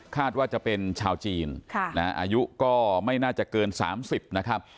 ว่าจะเป็นชาวจีนอายุก็ไม่น่าจะเกิน๓๐นะครับ